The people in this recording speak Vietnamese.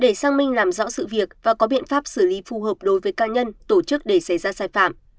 để xác minh làm rõ sự việc và có biện pháp xử lý phù hợp đối với ca nhân tổ chức để xảy ra sai phạm